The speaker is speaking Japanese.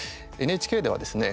ＮＨＫではですね